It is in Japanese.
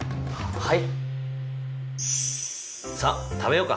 はい。